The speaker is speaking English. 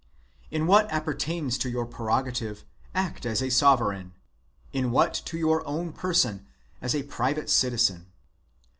In what appertains to your prerogative, act as _ asoyereign ; in what to your own person, as a private citizen.